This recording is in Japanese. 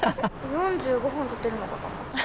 ４５本立てるのかと思った。